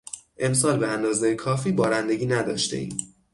امسال به اندازهی کافی بارندگی نداشتهایم.